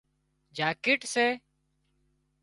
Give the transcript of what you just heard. جاڪيٽ سي